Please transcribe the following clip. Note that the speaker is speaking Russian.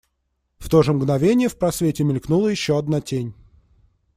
В то же мгновение в просвете мелькнула еще одна тень.